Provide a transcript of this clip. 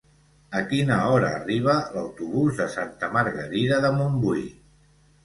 A quina hora arriba l'autobús de Santa Margarida de Montbui?